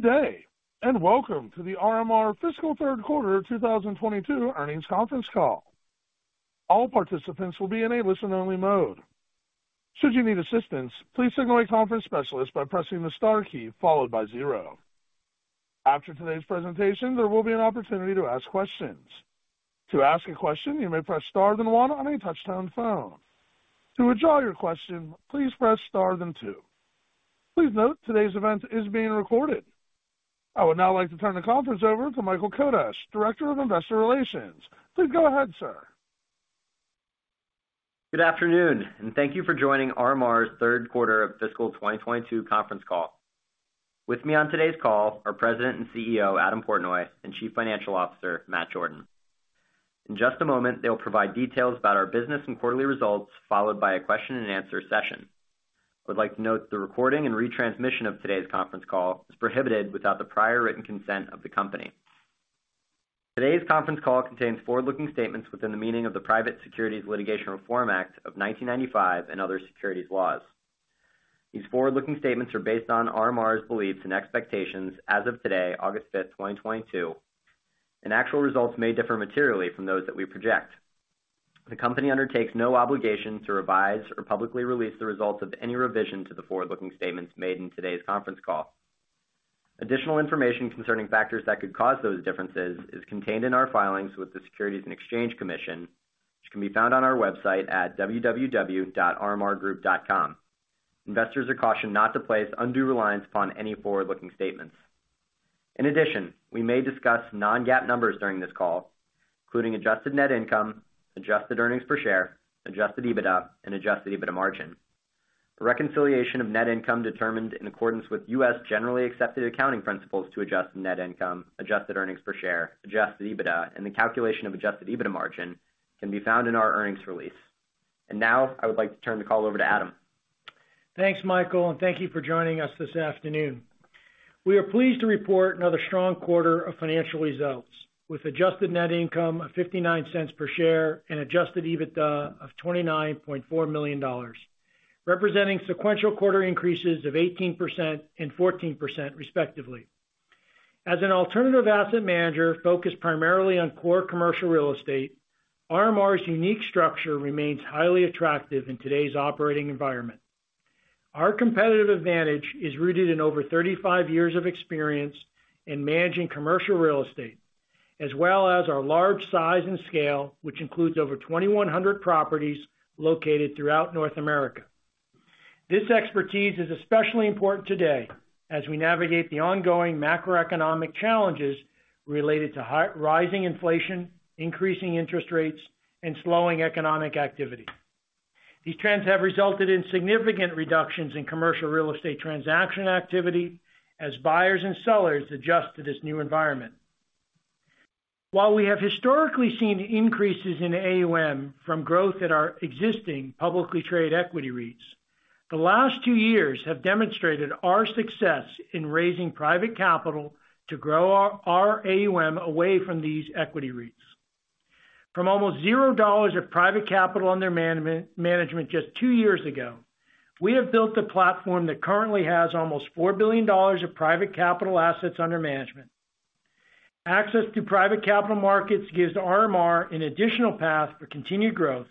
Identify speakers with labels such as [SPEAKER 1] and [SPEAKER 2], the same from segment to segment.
[SPEAKER 1] Good day, and welcome to the RMR fiscal third quarter 2022 earnings conference call. All participants will be in a listen-only mode. Should you need assistance, please signal a conference specialist by pressing the star key followed by zero. After today's presentation, there will be an opportunity to ask questions. To ask a question, you may press star then one on a touch-tone phone. To withdraw your question, please press star then two. Please note today's event is being recorded. I would now like to turn the conference over to Michael Kodesch, Director of Investor Relations. Please go ahead, sir.
[SPEAKER 2] Good afternoon, and thank you for joining RMR's third quarter of fiscal 2022 conference call. With me on today's call are President and CEO, Adam Portnoy, and Chief Financial Officer, Matt Jordan. In just a moment, they'll provide details about our business and quarterly results, followed by a question-and-answer session. I would like to note the recording and retransmission of today's conference call is prohibited without the prior written consent of the company. Today's conference call contains forward-looking statements within the meaning of the Private Securities Litigation Reform Act of 1995 and other securities laws. These forward-looking statements are based on RMR's beliefs and expectations as of today, August 5, 2022, and actual results may differ materially from those that we project. The company undertakes no obligation to revise or publicly release the results of any revision to the forward-looking statements made in today's conference call. Additional information concerning factors that could cause those differences is contained in our filings with the Securities and Exchange Commission, which can be found on our website at www.rmrgroup.com. Investors are cautioned not to place undue reliance upon any forward-looking statements. In addition, we may discuss non-GAAP numbers during this call, including adjusted net income, adjusted earnings per share, adjusted EBITDA, and adjusted EBITDA margin. The reconciliation of net income determined in accordance with U.S. generally accepted accounting principles to adjusted net income, adjusted earnings per share, adjusted EBITDA, and the calculation of adjusted EBITDA margin can be found in our earnings release. Now I would like to turn the call over to Adam.
[SPEAKER 3] Thanks, Michael, and thank you for joining us this afternoon. We are pleased to report another strong quarter of financial results, with adjusted net income of $0.59 per share and adjusted EBITDA of $29.4 million, representing sequential quarter increases of 18% and 14% respectively. As an alternative asset manager focused primarily on core commercial real estate, RMR's unique structure remains highly attractive in today's operating environment. Our competitive advantage is rooted in over 35 years of experience in managing commercial real estate, as well as our large size and scale, which includes over 2,100 properties located throughout North America. This expertise is especially important today as we navigate the ongoing macroeconomic challenges related to rising inflation, increasing interest rates, and slowing economic activity. These trends have resulted in significant reductions in commercial real estate transaction activity as buyers and sellers adjust to this new environment. While we have historically seen increases in AUM from growth at our existing publicly traded equity REITs, the last two years have demonstrated our success in raising private capital to grow our AUM away from these equity REITs. From almost $0 of private capital under management just two years ago, we have built a platform that currently has almost $4 billion of private capital assets under management. Access to private capital markets gives RMR an additional path for continued growth,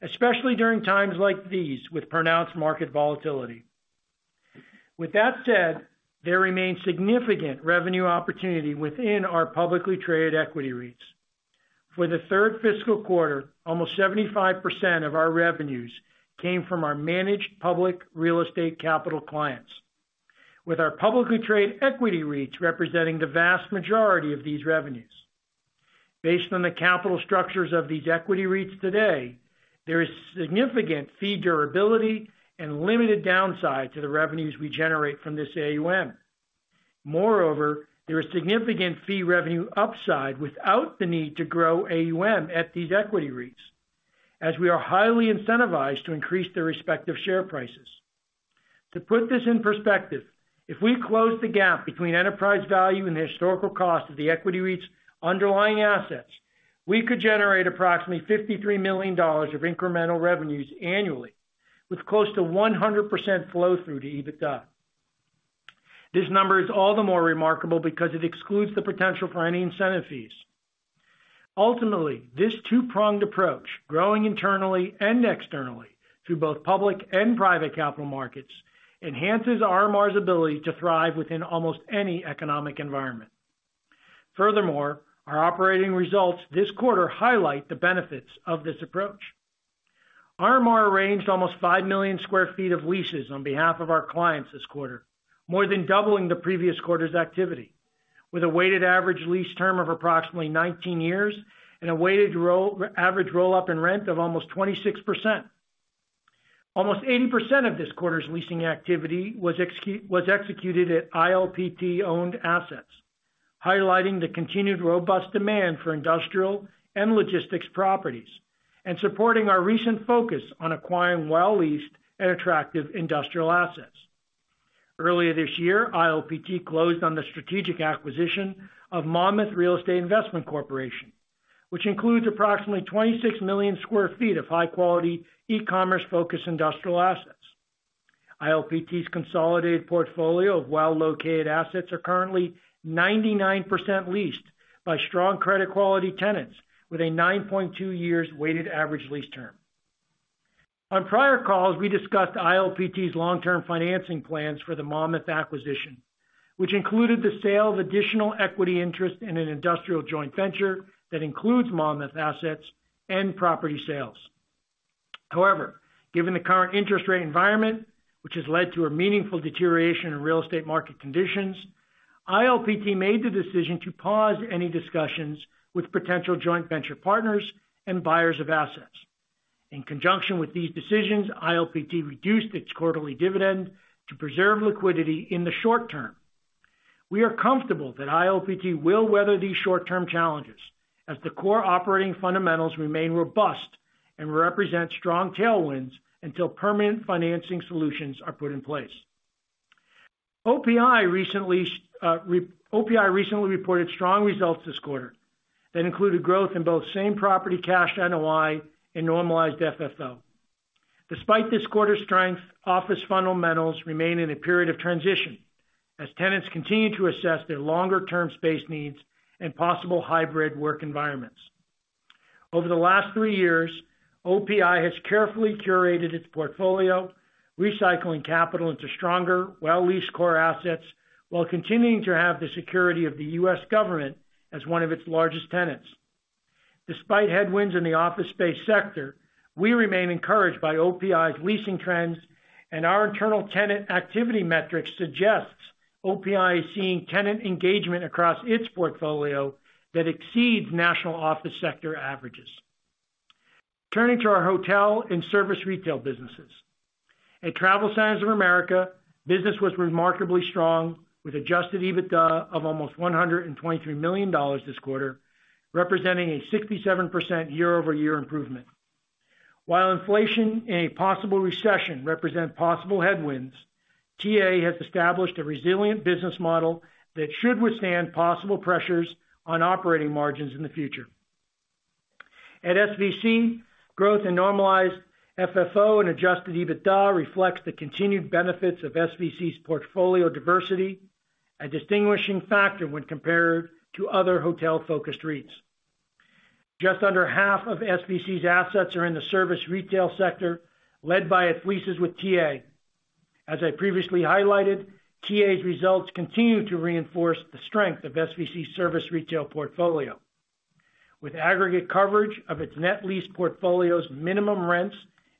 [SPEAKER 3] especially during times like these with pronounced market volatility. With that said, there remains significant revenue opportunity within our publicly traded equity REITs. For the third fiscal quarter, almost 75% of our revenues came from our managed public real estate capital clients, with our publicly traded equity REITs representing the vast majority of these revenues. Based on the capital structures of these equity REITs today, there is significant fee durability and limited downside to the revenues we generate from this AUM. Moreover, there is significant fee revenue upside without the need to grow AUM at these equity REITs, as we are highly incentivized to increase their respective share prices. To put this in perspective, if we close the gap between enterprise value and the historical cost of the equity REIT's underlying assets, we could generate approximately $53 million of incremental revenues annually with close to 100% flow through to EBITDA. This number is all the more remarkable because it excludes the potential for any incentive fees. Ultimately, this two-pronged approach, growing internally and externally through both public and private capital markets, enhances RMR's ability to thrive within almost any economic environment. Furthermore, our operating results this quarter highlight the benefits of this approach. RMR arranged almost 5 million sq ft of leases on behalf of our clients this quarter, more than doubling the previous quarter's activity, with a weighted average lease term of approximately 19 years and a weighted average roll up in rent of almost 26%. Almost 80% of this quarter's leasing activity was executed at ILPT-owned assets, highlighting the continued robust demand for industrial and logistics properties and supporting our recent focus on acquiring well-leased and attractive industrial assets. Earlier this year, ILPT closed on the strategic acquisition of Monmouth Real Estate Investment Corporation, which includes approximately 26 million sq ft of high-quality e-commerce focused industrial assets. ILPT's consolidated portfolio of well-located assets are currently 99% leased by strong credit quality tenants with a 9.2 years weighted average lease term. On prior calls, we discussed ILPT's long-term financing plans for the Monmouth acquisition, which included the sale of additional equity interest in an industrial joint venture that includes Monmouth assets and property sales. However, given the current interest rate environment, which has led to a meaningful deterioration in real estate market conditions, ILPT made the decision to pause any discussions with potential joint venture partners and buyers of assets. In conjunction with these decisions, ILPT reduced its quarterly dividend to preserve liquidity in the short term. We are comfortable that ILPT will weather these short-term challenges as the core operating fundamentals remain robust and represent strong tailwinds until permanent financing solutions are put in place. OPI recently reported strong results this quarter that included growth in both same property cash NOI and normalized FFO. Despite this quarter's strength, office fundamentals remain in a period of transition as tenants continue to assess their longer-term space needs and possible hybrid work environments. Over the last three years, OPI has carefully curated its portfolio, recycling capital into stronger, well-leased core assets, while continuing to have the security of the U.S. government as one of its largest tenants. Despite headwinds in the office space sector, we remain encouraged by OPI's leasing trends, and our internal tenant activity metrics suggests OPI is seeing tenant engagement across its portfolio that exceeds national office sector averages. Turning to our hotel and service retail businesses. At TravelCenters of America, business was remarkably strong, with adjusted EBITDA of almost $123 million this quarter, representing a 67% year-over-year improvement. While inflation and a possible recession represent possible headwinds, TA has established a resilient business model that should withstand possible pressures on operating margins in the future. At SVC, growth in normalized FFO and adjusted EBITDA reflects the continued benefits of SVC's portfolio diversity, a distinguishing factor when compared to other hotel-focused REITs. Just under half of SVC's assets are in the service retail sector, led by its leases with TA. As I previously highlighted, TA's results continue to reinforce the strength of SVC's service retail portfolio, with aggregate coverage of its net lease portfolio's minimum rents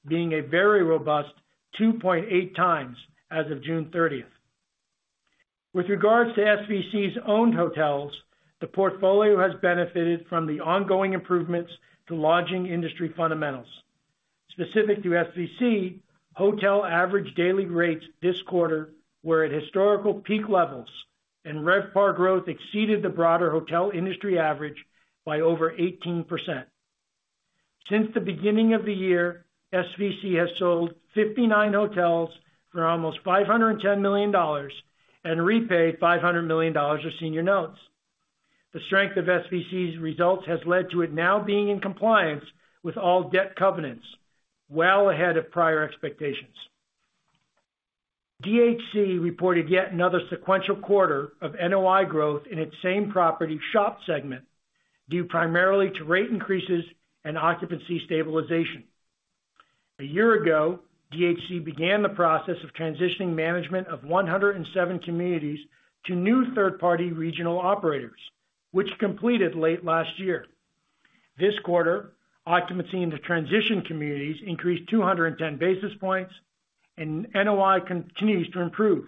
[SPEAKER 3] being a very robust 2.8 times as of June thirtieth. With regards to SVC's owned hotels, the portfolio has benefited from the ongoing improvements to lodging industry fundamentals. Specific to SVC, hotel average daily rates this quarter were at historical peak levels, and RevPAR growth exceeded the broader hotel industry average by over 18%. Since the beginning of the year, SVC has sold 59 hotels for almost $510 million and repaid $500 million of senior notes. The strength of SVC's results has led to it now being in compliance with all debt covenants well ahead of prior expectations. DHC reported yet another sequential quarter of NOI growth in its same property SHOP segment, due primarily to rate increases and occupancy stabilization. A year ago, DHC began the process of transitioning management of 107 communities to new third-party regional operators, which completed late last year. This quarter, occupancy in the transitioned communities increased 210 basis points, and NOI continues to improve,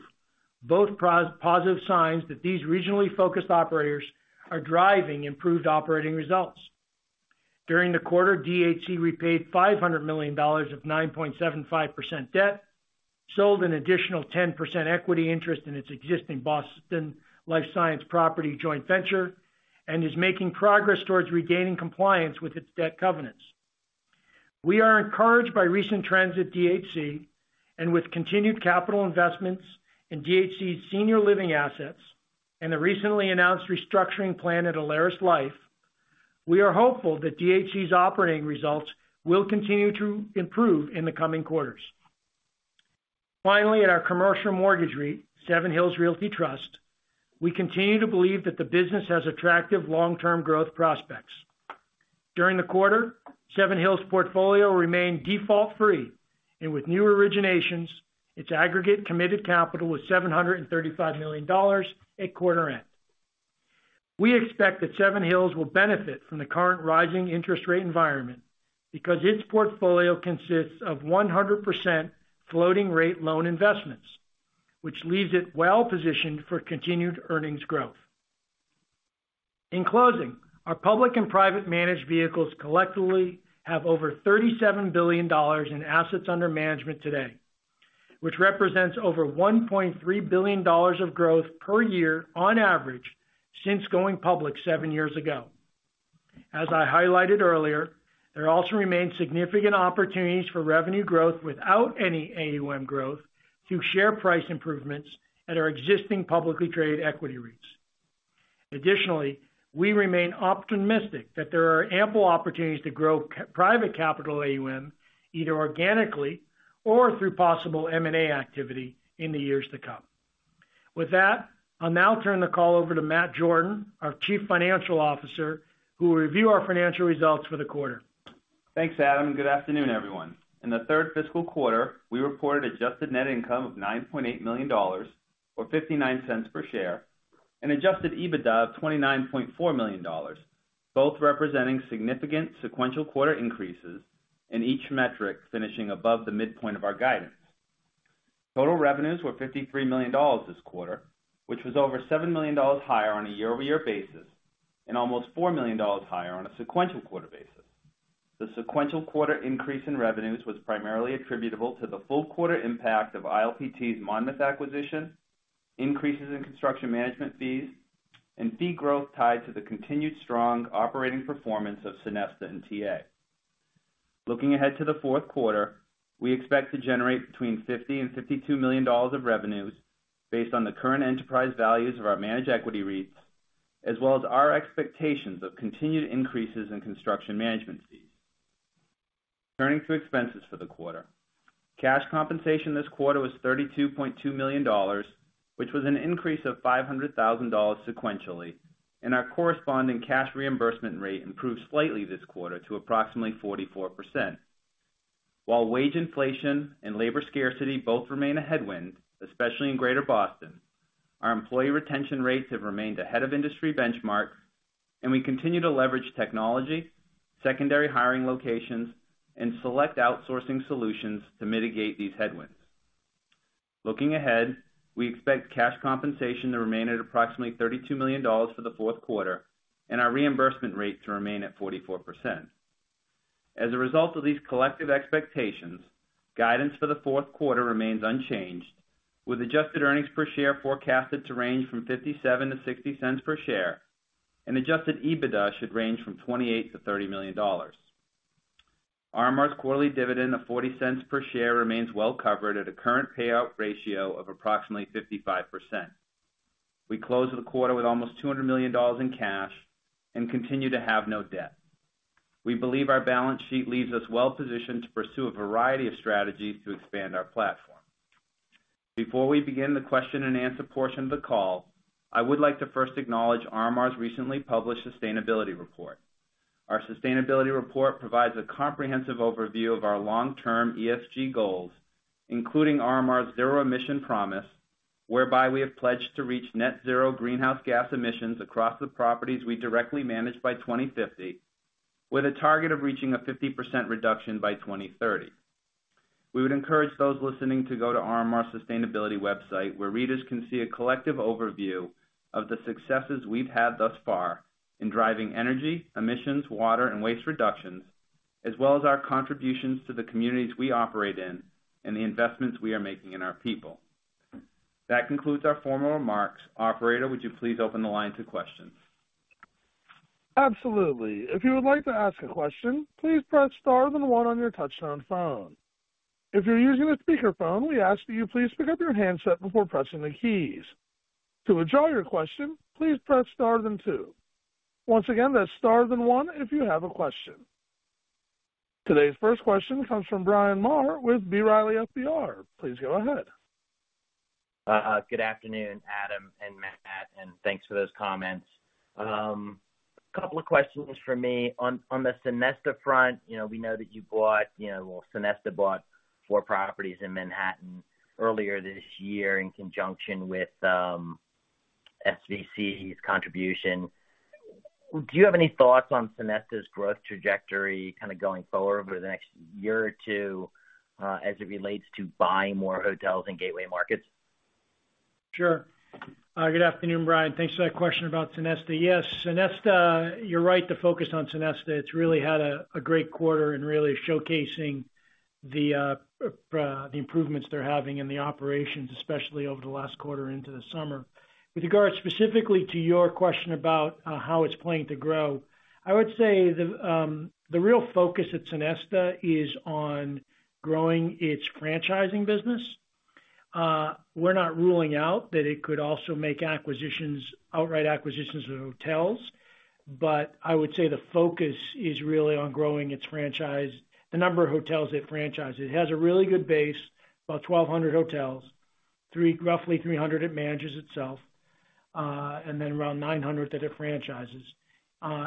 [SPEAKER 3] both positive signs that these regionally focused operators are driving improved operating results. During the quarter, DHC repaid $500 million of 9.75% debt, sold an additional 10% equity interest in its existing Boston Life Science property joint venture, and is making progress towards regaining compliance with its debt covenants. We are encouraged by recent trends at DHC, and with continued capital investments in DHC's senior living assets and the recently announced restructuring plan at AlerisLife, we are hopeful that DHC's operating results will continue to improve in the coming quarters. Finally, at our commercial mortgage REIT, Seven Hills Realty Trust, we continue to believe that the business has attractive long-term growth prospects. During the quarter, Seven Hills' portfolio remained default-free, and with new originations, its aggregate committed capital was $735 million at quarter end. We expect that Seven Hills will benefit from the current rising interest rate environment because its portfolio consists of 100% floating rate loan investments, which leaves it well-positioned for continued earnings growth. In closing, our public and private managed vehicles collectively have over $37 billion in assets under management today, which represents over $1.3 billion of growth per year on average since going public seven years ago. As I highlighted earlier, there also remains significant opportunities for revenue growth without any AUM growth through share price improvements at our existing publicly traded equity REITs. Additionally, we remain optimistic that there are ample opportunities to grow private capital AUM, either organically or through possible M&A activity in the years to come. With that, I'll now turn the call over to Matt Jordan, our Chief Financial Officer, who will review our financial results for the quarter.
[SPEAKER 4] Thanks, Adam, good afternoon, everyone. In the third fiscal quarter, we reported adjusted net income of $9.8 million or $0.59 per share, and adjusted EBITDA of $29.4 million, both representing significant sequential quarter increases in each metric, finishing above the midpoint of our guidance. Total revenues were $53 million this quarter, which was over $7 million higher on a year-over-year basis, and almost $4 million higher on a sequential quarter basis. The sequential quarter increase in revenues was primarily attributable to the full quarter impact of ILPT's Monmouth acquisition, increases in construction management fees, and fee growth tied to the continued strong operating performance of Sonesta and TA. Looking ahead to the fourth quarter, we expect to generate between $50 million and $52 million of revenues based on the current enterprise values of our managed equity REITs, as well as our expectations of continued increases in construction management fees. Turning to expenses for the quarter. Cash compensation this quarter was $32.2 million, which was an increase of $500,000 sequentially, and our corresponding cash reimbursement rate improved slightly this quarter to approximately 44%. While wage inflation and labor scarcity both remain a headwind, especially in Greater Boston, our employee retention rates have remained ahead of industry benchmarks, and we continue to leverage technology, secondary hiring locations, and select outsourcing solutions to mitigate these headwinds. Looking ahead, we expect cash compensation to remain at approximately $32 million for the fourth quarter, and our reimbursement rate to remain at 44%. As a result of these collective expectations, guidance for the fourth quarter remains unchanged, with adjusted earnings per share forecasted to range from $0.57-$0.60 per share, and adjusted EBITDA should range from $28 million-$30 million. RMR's quarterly dividend of $0.40 per share remains well-covered at a current payout ratio of approximately 55%. We closed the quarter with almost $200 million in cash and continue to have no debt. We believe our balance sheet leaves us well-positioned to pursue a variety of strategies to expand our platform. Before we begin the question-and-answer portion of the call, I would like to first acknowledge RMR's recently published sustainability report. Our sustainability report provides a comprehensive overview of our long-term ESG goals, including RMR's zero emission promise, whereby we have pledged to reach net zero greenhouse gas emissions across the properties we directly manage by 2050, with a target of reaching a 50% reduction by 2030. We would encourage those listening to go to RMR's sustainability website, where readers can see a collective overview of the successes we've had thus far in driving energy, emissions, water, and waste reductions, as well as our contributions to the communities we operate in and the investments we are making in our people. That concludes our formal remarks. Operator, would you please open the line to questions?
[SPEAKER 1] Absolutely. If you would like to ask a question, please press star then one on your touchtone phone. If you're using a speakerphone, we ask that you please pick up your handset before pressing the keys. To withdraw your question, please press star then two. Once again, that's star then one if you have a question. Today's first question comes from Bryan Maher with B. Riley Securities. Please go ahead.
[SPEAKER 5] Good afternoon, Adam and Matt, and thanks for those comments. Couple of questions from me. On the Sonesta front, you know, we know that you bought, you know, well, Sonesta bought four properties in Manhattan earlier this year in conjunction with SVC's contribution. Do you have any thoughts on Sonesta's growth trajectory kind of going forward over the next year or two, as it relates to buying more hotels in gateway markets?
[SPEAKER 3] Sure. Good afternoon, Bryan. Thanks for that question about Sonesta. Yes, Sonesta. You're right to focus on Sonesta. It's really had a great quarter in really showcasing the improvements they're having in the operations, especially over the last quarter into the summer. With regard specifically to your question about how it's planning to grow, I would say the real focus at Sonesta is on growing its franchising business. We're not ruling out that it could also make acquisitions, outright acquisitions of hotels, but I would say the focus is really on growing its franchise, the number of hotels it franchises. It has a really good base, about 1,200 hotels, roughly 300 it manages itself, and then around 900 that it franchises.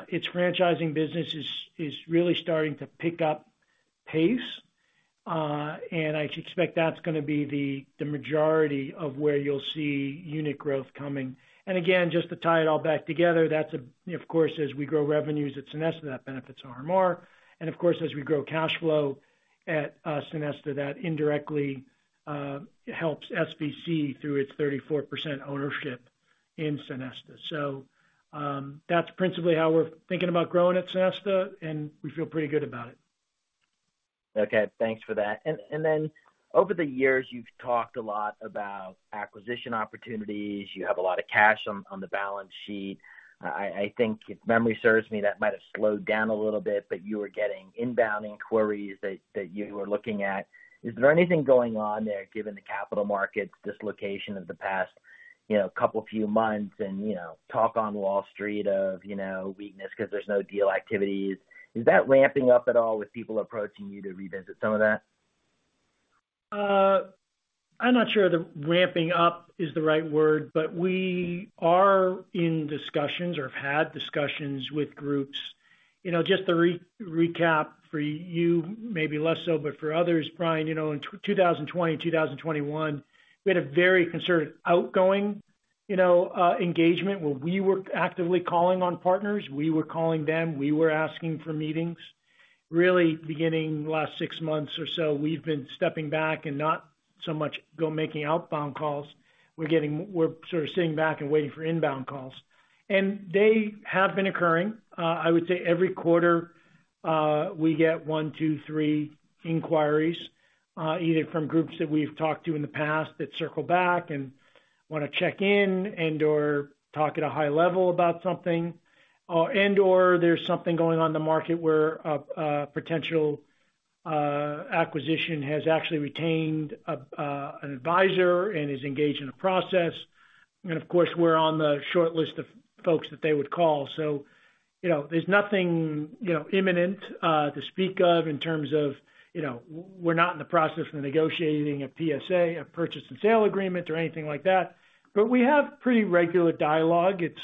[SPEAKER 3] Its franchising business is really starting to pick up pace, and I expect that's gonna be the majority of where you'll see unit growth coming. Again, just to tie it all back together, that's, of course, as we grow revenues at Sonesta, that benefits RMR. Of course, as we grow cash flow at Sonesta, that indirectly helps SVC through its 34% ownership in Sonesta. That's principally how we're thinking about growing at Sonesta, and we feel pretty good about it.
[SPEAKER 5] Okay, thanks for that. Over the years you've talked a lot about acquisition opportunities. You have a lot of cash on the balance sheet. I think if memory serves me, that might have slowed down a little bit, but you were getting inbound inquiries that you were looking at. Is there anything going on there, given the capital markets dislocation of the past, you know, couple few months and, you know, talk on Wall Street of, you know, weakness 'cause there's no deal activities? Is that ramping up at all with people approaching you to revisit some of that?
[SPEAKER 3] I'm not sure the ramping up is the right word, but we are in discussions or have had discussions with groups. You know, just to recap for you, maybe less so, but for others, Bryan, you know, in 2020, 2021, we had a very concerted outgoing, you know, engagement where we were actively calling on partners. We were calling them, we were asking for meetings. Really beginning the last six months or so, we've been stepping back and not so much making outbound calls. We're sort of sitting back and waiting for inbound calls. They have been occurring. I would say every quarter, we get one, two, three inquiries, either from groups that we've talked to in the past that circle back and wanna check in and/or talk at a high level about something. There's something going on in the market where a potential acquisition has actually retained an advisor and is engaged in a process. Of course, we're on the shortlist of folks that they would call. You know, there's nothing, you know, imminent to speak of in terms of, you know, we're not in the process of negotiating a PSA, a purchase and sale agreement or anything like that. We have pretty regular dialogue. It's,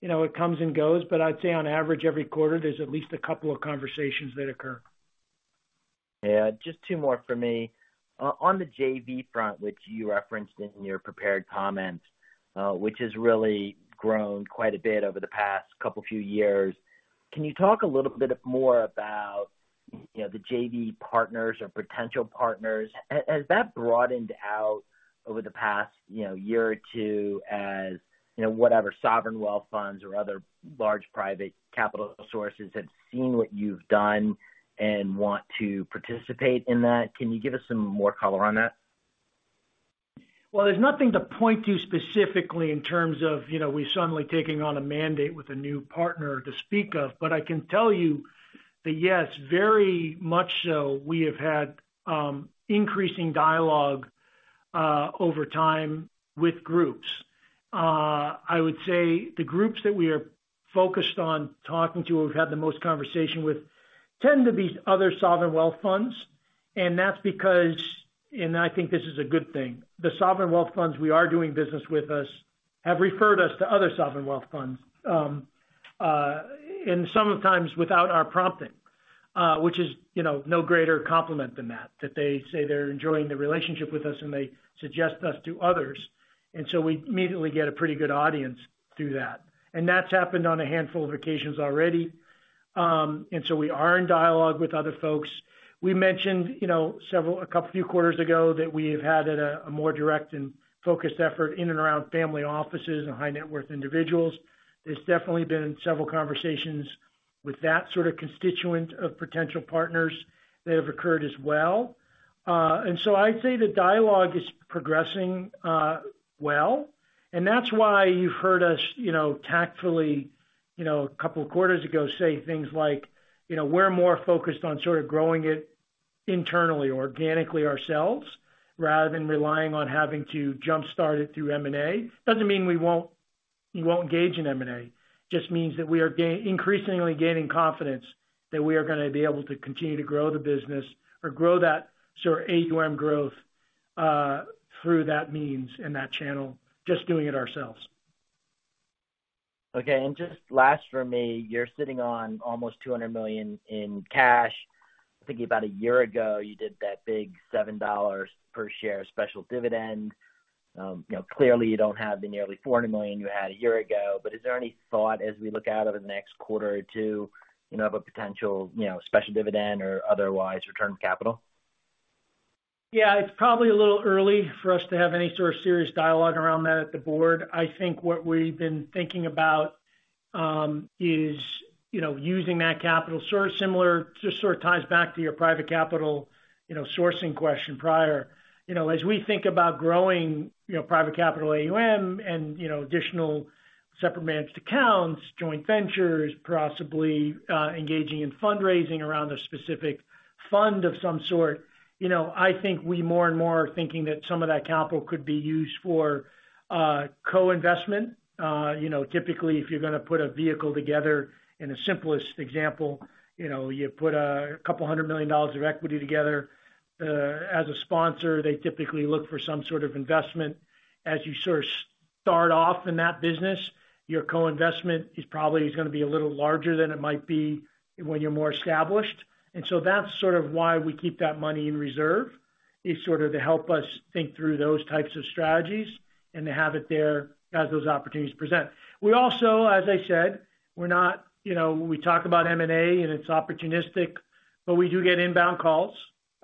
[SPEAKER 3] you know, it comes and goes, but I'd say on average, every quarter, there's at least a couple of conversations that occur.
[SPEAKER 5] Yeah. Just two more for me. On the JV front, which you referenced in your prepared comments, which has really grown quite a bit over the past couple, few years. Can you talk a little bit more about, you know, the JV partners or potential partners? Has that broadened out over the past, you know, year or two as, you know, whatever sovereign wealth funds or other large private capital sources have seen what you've done and want to participate in that? Can you give us some more color on that?
[SPEAKER 3] Well, there's nothing to point to specifically in terms of, you know, we suddenly taking on a mandate with a new partner to speak of. I can tell you that yes, very much so we have had increasing dialogue over time with groups. I would say the groups that we are focused on talking to or have had the most conversation with tend to be other sovereign wealth funds. That's because, and I think this is a good thing, the sovereign wealth funds we are doing business with us have referred us to other sovereign wealth funds, and sometimes without our prompting, which is, you know, no greater compliment than that they say they're enjoying the relationship with us and they suggest us to others. We immediately get a pretty good audience through that. That's happened on a handful of occasions already. We are in dialogue with other folks. We mentioned, you know, a couple few quarters ago that we have had a more direct and focused effort in and around family offices and high net worth individuals. There's definitely been several conversations with that sort of constituent of potential partners that have occurred as well. I'd say the dialogue is progressing well, and that's why you've heard us, you know, tactfully, you know, a couple of quarters ago, say things like, you know, we're more focused on sort of growing it internally, organically ourselves, rather than relying on having to jumpstart it through M&A. Doesn't mean we won't engage in M&A, just means that we are increasingly gaining confidence that we are gonna be able to continue to grow the business or grow that sort of AUM growth, through that means in that channel, just doing it ourselves.
[SPEAKER 5] Okay. Just last for me, you're sitting on almost $200 million in cash. I think about a year ago, you did that big $7 per share special dividend. You know, clearly you don't have the nearly $400 million you had a year ago, but is there any thought as we look out over the next quarter or two, you know, of a potential, you know, special dividend or otherwise return of capital?
[SPEAKER 3] Yeah, it's probably a little early for us to have any sort of serious dialogue around that at the board. I think what we've been thinking about is, you know, using that capital sort of similar, just sort of ties back to your private capital, you know, sourcing question prior. You know, as we think about growing, you know, private capital AUM and, you know, additional separate managed accounts, joint ventures, possibly, engaging in fundraising around a specific fund of some sort, you know, I think we more and more are thinking that some of that capital could be used for co-investment. You know, typically, if you're gonna put a vehicle together in the simplest example, you know, you put $200 million of equity together. As a sponsor, they typically look for some sort of investment. As you sort of start off in that business, your co-investment is probably gonna be a little larger than it might be when you're more established. That's sort of why we keep that money in reserve, is sort of to help us think through those types of strategies and to have it there as those opportunities present. We also, as I said, we're not, you know, we talk about M&A and it's opportunistic, but we do get inbound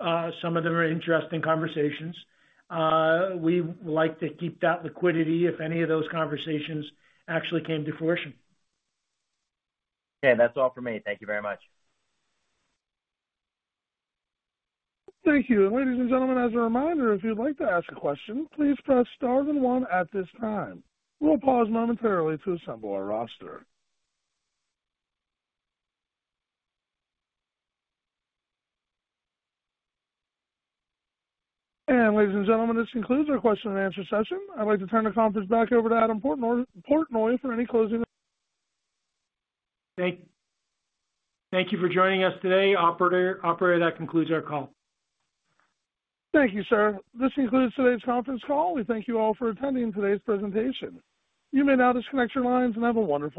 [SPEAKER 3] calls. Some of them are interesting conversations. We like to keep that liquidity if any of those conversations actually came to fruition.
[SPEAKER 5] Okay. That's all for me. Thank you very much.
[SPEAKER 1] Thank you. Ladies and gentlemen, as a reminder, if you'd like to ask a question, please press star then one at this time. We'll pause momentarily to assemble our roster. Ladies and gentlemen, this concludes our question and answer session. I'd like to turn the conference back over to Adam Portnoy for any closing-
[SPEAKER 3] Thank you for joining us today. Operator, that concludes our call.
[SPEAKER 1] Thank you, sir. This concludes today's conference call. We thank you all for attending today's presentation. You may now disconnect your lines and have a wonderful day.